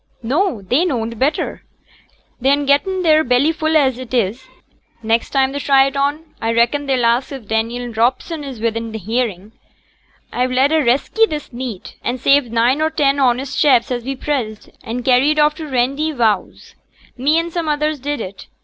'No! they knowed better. They'n getten their belly full as it is. Next time they try it on, a reckon they'll ax if Daniel Robson is wi'in hearin'. A've led a resky this neet, and saved nine or ten honest chaps as was pressed, and carried off to t' Randyvowse. Me and some others did it.